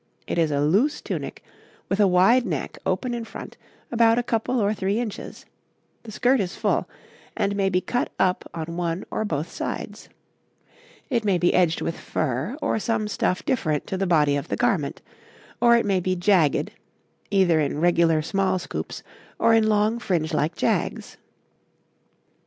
It is a loose tunic with a wide neck open in front about a couple or three inches; the skirt is full, and may be cut up on one or both sides; it may be edged with fur or some stuff different to the body of the garment, or it may be jagged, either in regular small scoops or in long fringe like jags.